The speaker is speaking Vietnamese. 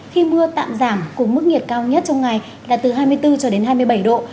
khi mưa tạm giảm cùng mức nhiệt cao nhất trong ngày là từ hai mươi bốn cho đến hai mươi bảy độ